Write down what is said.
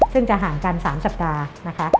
ซึ่งจะห่างกัน๓สัปดาห์นะคะ